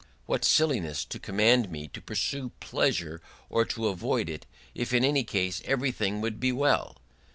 What silliness to command me to pursue pleasure or to avoid it, if in any case everything would be well!